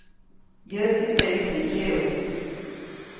Yäti, teʼis nä ŋgyeʼu.